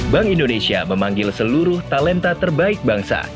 bank indonesia memanggil seluruh talenta terbaik bangsa